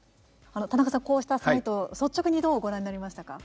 田中さん、こうしたサイト率直に、どうご覧になりましたか。